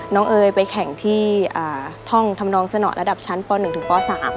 น้องเอ๋ยไปแข่งที่ท่องธรรมดองเสนอระดับชั้นป๑ถึงป๓